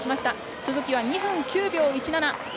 鈴木は２分９秒１７。